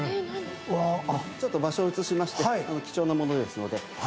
ちょっと場所移しまして貴重なものですので。